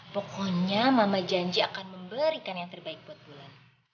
pokoknya mama janji akan memberikan yang terbaik buat bulan